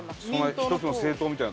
一つの政党みたいな？